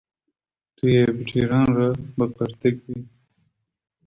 Tu yê bi cîran re bi qirtiq bî.